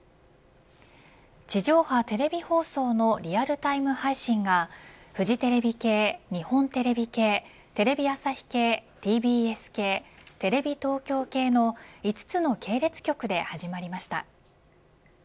地上波テレビ放送のリアルタイム配信がフジテレビ系、日本テレビ系テレビ朝日系、ＴＢＳ系テレビ東京系の５つの系列局で始まりました。